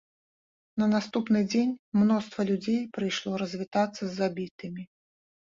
На наступны дзень мноства людзей прыйшло развітацца з забітымі.